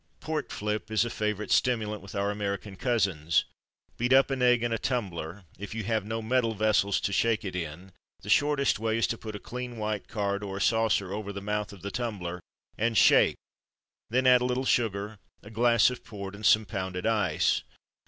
Port flip is a favourite stimulant with our American cousins. Beat up an egg in a tumbler if you have no metal vessels to shake it in, the shortest way is to put a clean white card, or a saucer, over the mouth of the tumbler, and shake then add a little sugar, a glass of port, and some pounded ice.